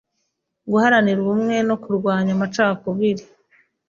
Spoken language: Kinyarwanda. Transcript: Guharanira ubumwe no kurwanya amacakubiri